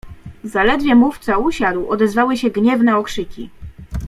"Zaledwie mówca usiadł odezwały się gniewne okrzyki."